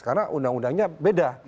karena undang undangnya beda